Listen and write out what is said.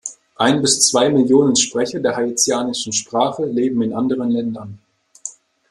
Ein bis zwei Millionen Sprecher der haitianischen Sprache leben in anderen Ländern.